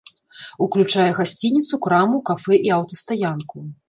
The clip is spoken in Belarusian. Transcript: Уключае гасцініцу, краму, кафэ і аўтастаянку.